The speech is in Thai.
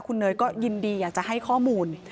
คุณเนยก็ยินดีจะใช้ข้อมูล